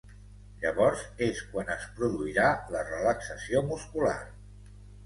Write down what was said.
Llavors és quan es produirà la relaxació muscular.